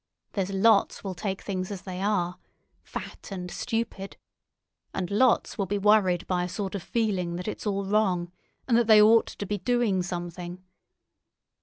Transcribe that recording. There's lots will take things as they are—fat and stupid; and lots will be worried by a sort of feeling that it's all wrong, and that they ought to be doing something.